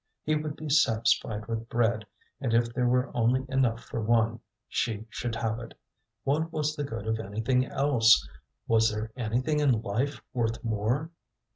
He would be satisfied with bread; and if there were only enough for one, she should have it. What was the good of anything else? Was there anything in life worth more?